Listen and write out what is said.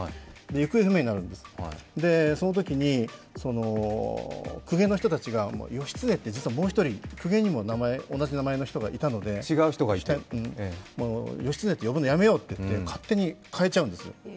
行方不明になるんです、そのときに公家の人たちが、義経って実はもう一人公家にも同じ名前の人がいたので義経って呼ぶのやめようって、勝手に変えちゃうんですよ。